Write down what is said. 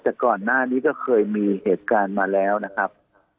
แต่ก่อนหน้านี้ก็เคยมีเหตุการณ์มาแล้วนะครับ